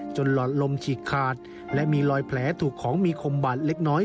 หลอดลมฉีกขาดและมีรอยแผลถูกของมีคมบาดเล็กน้อย